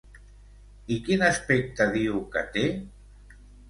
I quin aspecte diu que té?